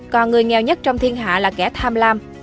còn người nghèo nhất trong thiên hạ là kẻ tham lam